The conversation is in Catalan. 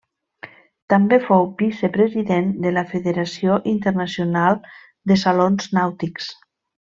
També fou vicepresident de la Federació Internacional de Salons Nàutics.